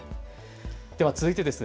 では続いてです。